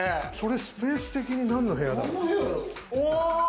スペース的に何の部屋だろう？